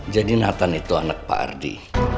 jadi nathan itu anak pak ardi